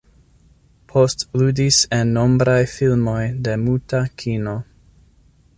Post ludis en nombraj filmoj de muta kino.